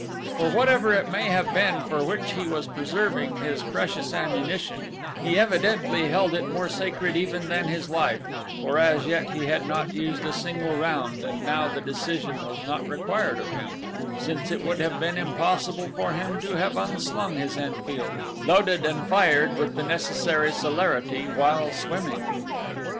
For whatever it may have been for which he was preserving his precious ammunition he evidently held it more sacred even than his life, for as yet he had not used a single round and now the decision was not required of him, since it would have been impossible for him to have unslung his Enfield, loaded and fired with the necessary celerity while swimming.